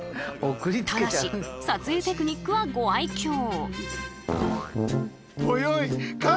ただし撮影テクニックはご愛きょう。